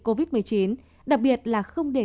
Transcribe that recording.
covid một mươi chín đặc biệt là không để